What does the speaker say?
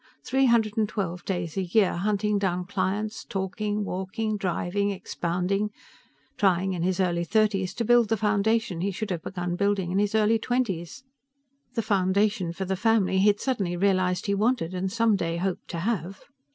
Three hundred and twelve days a year, hunting down clients, talking, walking, driving, expounding; trying in his early thirties to build the foundation he should have begun building in his early twenties the foundation for the family he had suddenly realized he wanted and someday hoped to have.